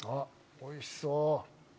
おいしそう！